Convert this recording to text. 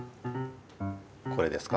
これですか？